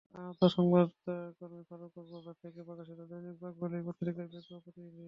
আহত সংবাদকর্মী ফারুক কক্সবাজার থেকে প্রকাশিত দৈনিক বাঁকখালী পত্রিকার পেকুয়া প্রতিনিধি।